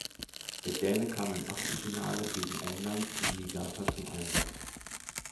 Der Däne kam im Achtelfinale gegen England in Niigata zum Einsatz.